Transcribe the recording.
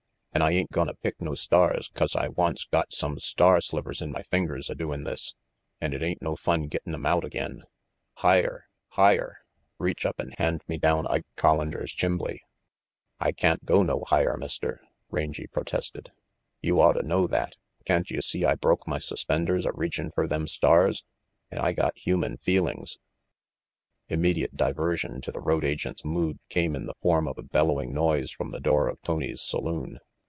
"An' I ain't gonna pick no stars 'cause I once got some star slivers in my fingers a doin' this, and it ain't no fun gettin' 'em out again." "Higher! Higher! Reach up and hand me down Ike Collander 's chimbley." "I can't jgo no higher, Mister," Rangy protested. 18 RANGY PETE "You otta know that. Can't you see I broke my suspenders a reaching f er them stars, an* I got human feelings " Immediate diversion to the road agent's mood came in the form of a bellowing noise from the door of Tony's saloon.